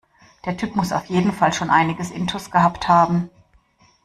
Der Typ muss auf jeden Fall schon einiges intus gehabt haben.